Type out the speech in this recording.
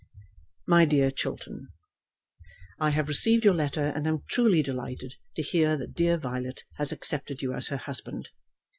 MY DEAR CHILTERN, I have received your letter, and am truly delighted to hear that dear Violet has accepted you as her husband.